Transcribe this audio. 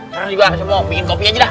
karena juga semua bikin kopi aja dah